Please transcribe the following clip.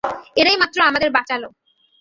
এরাই মাত্র আমাদের বাঁচালো।